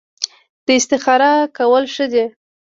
استخاره کول ښه دي